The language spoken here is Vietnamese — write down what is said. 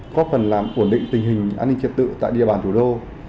có phần làm ổn định tình hình an ninh trật tự tại địa bàn chủ đô